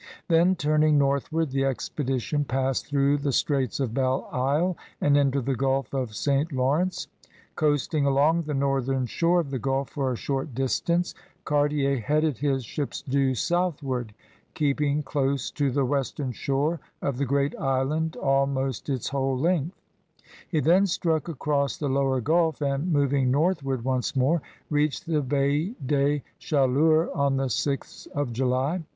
Then, turning northward, the expedition passed through the straits of Belle Isle and into the Gulf of St. Law rence. Coasting along the northern shore of the Gulf for a short distance, Cartier headed his ships due southward, keeping close to the western shore of the great island almost its whole length; he then struck across the lower Gulf and, mov ing northward once more, reached the Baie des Chaleurs on the 6th July.